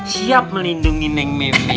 siap melindungi neng memi